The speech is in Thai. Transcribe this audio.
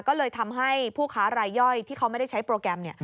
ก็เลยทำให้ผู้ค้ารายย่อยที่เขาไม่ได้ใช้โปรแกรม